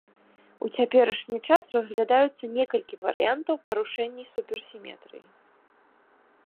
У цяперашні час разглядаюцца некалькі варыянтаў парушэнні суперсіметрыі.